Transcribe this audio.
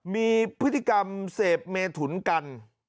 มีพฤติกรรมเสพเมถุนกัน